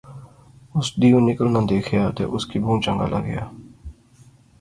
اُس دیہوں نکلنا دیخیا تے اُس کی بہوں چنگا لغیا